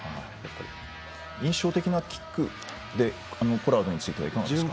印象的なキックはポラードについてはいかがですか。